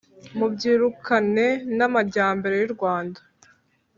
Mubyirukane n'amajyambere y'u Rwanda!